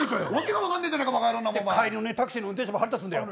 帰りのタクシーの運転手も腹立つんだよ。